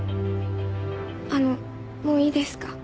あのもういいですか？